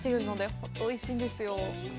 本当においしいんですよ。